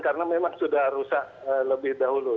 karena memang sudah rusak lebih dahulu